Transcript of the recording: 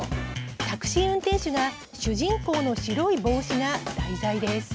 タクシー運転手が主人公の白いぼうしが題材です。